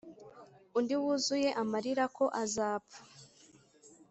undi wuzuye amarira ko azapfa,